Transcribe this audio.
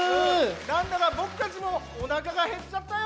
なんだかぼくたちもおなかがへっちゃったよ。